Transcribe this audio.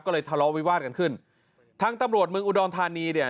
ก็เลยทะเลาะวิวาดกันขึ้นทางตำรวจเมืองอุดรธานีเนี่ย